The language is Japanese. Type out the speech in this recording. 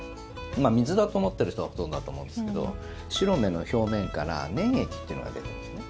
まあ、水だと思っている人がほとんどだと思うんですけど白目の表面から粘液っていうのが出るんですね。